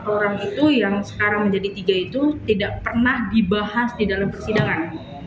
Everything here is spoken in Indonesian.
empat orang itu yang sekarang menjadi tiga itu tidak pernah dibahas di dalam persidangan